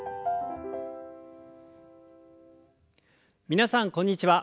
皆さんこんにちは。